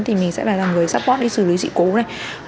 thì mình sẽ là người support để xử lý dịch vụ này